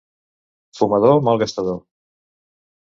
Fumador, mal gastador.